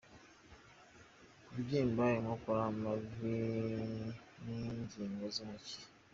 Kubyimba inkokora, amavi n’ingingo z’intoki.